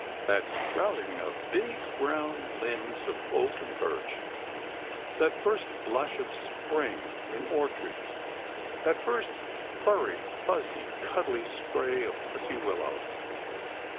That sprouting of big brown limbs on oak and birch; that first "blush of Spring" in orchards; that first furry, fuzzy, cuddly spray of pussy willows!